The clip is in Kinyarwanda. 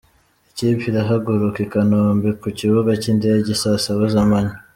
Ikipe irahaguruka i Kanombe ku kibuga cy’indege i saa saba z’amanywa.